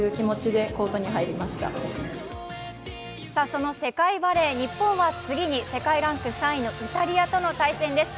その世界バレー、日本は次に世界ランク３位のイタリアとの対戦です。